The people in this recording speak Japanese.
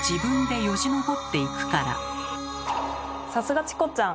さすがチコちゃん！